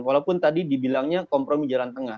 walaupun tadi dibilangnya kompromi jalan tengah